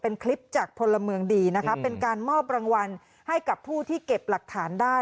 เป็นคลิปจากพลเมืองดีนะคะเป็นการมอบรางวัลให้กับผู้ที่เก็บหลักฐานได้